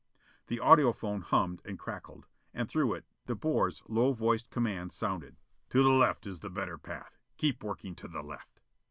The audiphone hummed and crackled. And through it, De Boer's low voiced command sounded: "To the left is the better path. Keep working to the left."